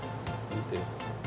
見て。